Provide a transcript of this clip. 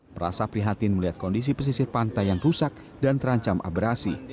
merasa prihatin melihat kondisi pesisir pantai yang rusak dan terancam abrasi